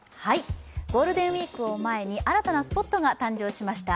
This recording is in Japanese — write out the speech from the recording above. ゴールデンウイークを前に新たなスポットが誕生しました。